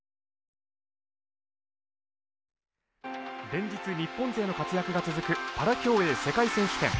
連日日本勢の活躍が続くパラ競泳世界選手権。